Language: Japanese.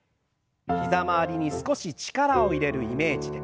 膝周りに少し力を入れるイメージで。